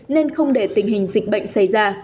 nên không để tình hình dịch bệnh xảy ra